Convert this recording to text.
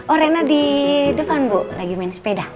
oh rena di depan bu lagi main sepeda